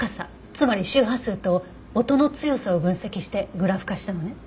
つまり周波数と音の強さを分析してグラフ化したのね。